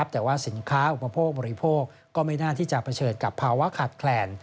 แต่ว่าสินค้าอุปโภคบริโภคก็ไม่น่าที่จะเผชิญกับภาวะขาดแคลน